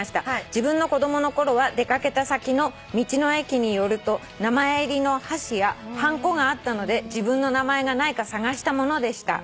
「自分の子供のころは出掛けた先の道の駅に寄ると名前入りの箸やはんこがあったので自分の名前がないか探したものでした」